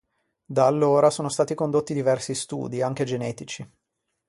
Da allora sono stati condotti diversi studi, anche genetici.